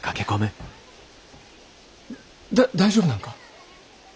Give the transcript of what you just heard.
だ大丈夫なんか？